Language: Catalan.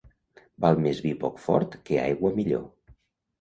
Val més vi poc fort que aigua millor.